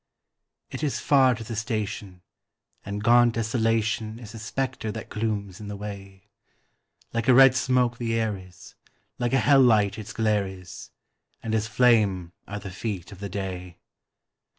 It is far to the station, and gaunt Desolation Is a spectre that glooms in the way; Like a red smoke the air is, like a hell light its glare is, And as flame are the feet of the day.